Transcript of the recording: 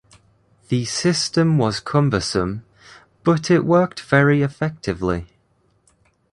The system was cumbersome, but it worked very effectively.